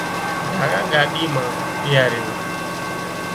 ڍاڳا ڳاڏي مان ٻيهاريو